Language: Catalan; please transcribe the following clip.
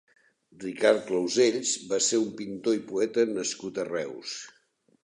Ricard Clausells va ser un pintor i poeta nascut a Reus.